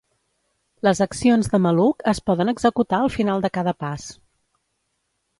Les accions de maluc es poden executar al final de cada pas.